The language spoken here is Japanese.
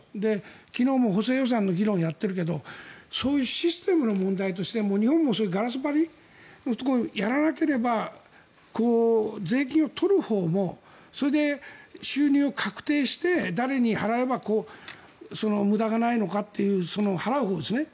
昨日も補正予算の議論をやっているけどそういうシステムの問題として日本もそういうガラス張りやらなければ税金を取るほうもそれで、収入を確定して誰に払えば無駄がないのかという払うほうですね。